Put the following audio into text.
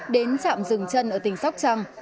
đến chạm rừng chân ở tỉnh sóc trăng